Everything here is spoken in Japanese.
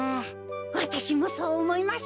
わたしもそうおもいます。